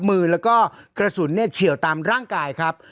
มือแล้วก็กระสุนเนี่ยเฉียวตามร่างกายครับ